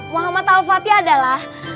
muhammad al fatih adalah